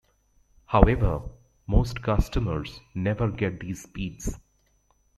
However, most customers never get these speeds.